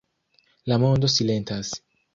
La mondo silentas.